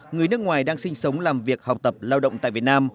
người nước ngoài đang sinh sống làm việc học tập lao động tại việt nam